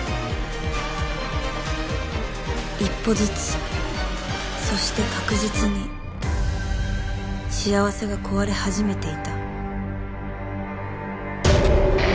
一歩ずつそして確実に幸せが壊れはじめていた